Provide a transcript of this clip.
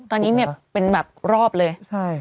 ตอนนี้เนี่ยเป็นแบบรอบเลย